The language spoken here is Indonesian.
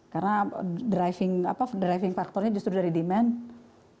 karena driving faktornya justru dari demand